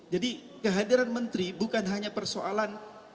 jadi kehadiran menteri bukan hanya persoalan